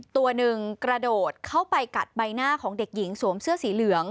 ตัวหนึ่งกระโดดเข้าไปกัดใบหน้าของเด็กหญิงสวมเสื้อสีเหลือง